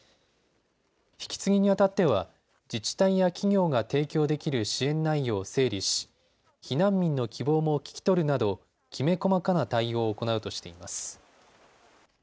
引き継ぎにあたっては自治体や企業が提供できる支援内容を整理し避難民の希望も聴き取るなどきめ細かな対応を行うとしています。